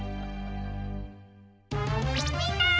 みんな！